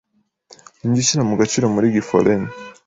Ninjye ushyira mugaciro muri Ghifolen